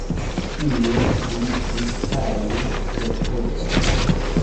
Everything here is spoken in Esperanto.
Tie li instalis ĉefurbon.